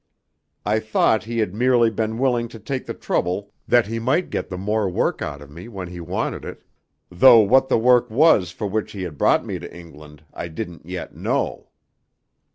I thought he had merely been willing to take the trouble that he might get the more work out of me when he wanted it, though what the work was for which he had brought me to England I didn't yet know.